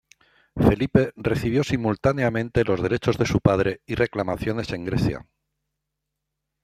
Felipe recibió simultáneamente los derechos de su padre y reclamaciones en Grecia.